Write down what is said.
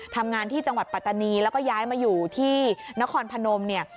ทำงานที่จังหวัดปัตตานีแล้วก็ย้ายมาอยู่ที่นครพนมเนี่ย